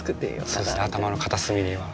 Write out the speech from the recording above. そうですね頭の片隅には。